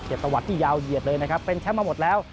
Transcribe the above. ตะวัดที่ยาวเหยียดเลยนะครับเป็นแชมป์มาหมดแล้ว